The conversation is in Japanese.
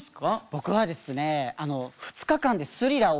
僕はですねえ？